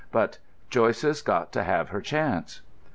But—Joyce's got to have her chance."